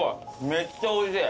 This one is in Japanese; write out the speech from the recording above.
めっちゃおいしい。